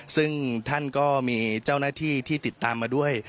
ซึ่งท่านก็มีเจ้าหน้าที่ที่ติดตามมาด้วย